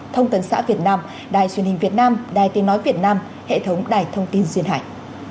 thông tấn xã việt nam đài truyền hình việt nam đài tiếng nói việt nam hệ thống đài thông tin duyên hải